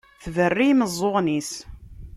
Tberru i yimeẓẓuɣen-is.